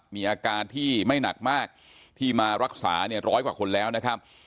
มีอาการที่ไม่หนักมากที่มารักษาเนี่ยร้อยกว่าคนแล้วนะครับ